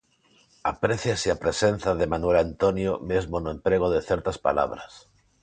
Apréciase a presenza de Manuel Antonio mesmo no emprego de certas palabras.